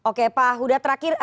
oke pak sudah terakhir